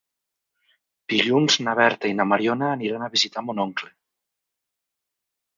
Dilluns na Berta i na Mariona aniran a visitar mon oncle.